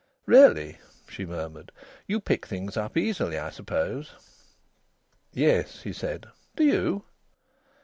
"Really!" she murmured. "You pick things up easily, I suppose?" "Yes," he said. "Do you?"